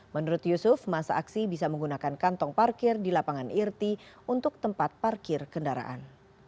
menurut yusuf masa aksi bisa menggunakan kantong parkir di lapangan irti untuk tempat parkir kendaraan